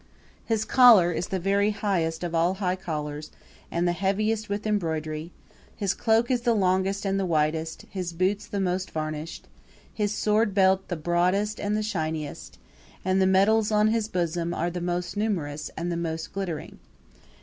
His collar is the very highest of all high collars and the heaviest with embroidery; his cloak is the longest and the widest; his boots the most varnished; his sword belt the broadest and the shiniest; and the medals on his bosom are the most numerous and the most glittering.